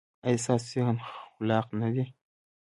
ایا ستاسو ذهن خلاق نه دی؟